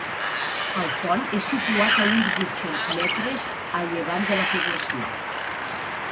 El pont és situat a uns vuit-cents metres a llevant de la població.